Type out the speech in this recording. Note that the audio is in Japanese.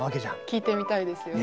聞いてみたいですよね。